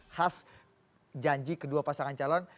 khas janji kedua pasangan calon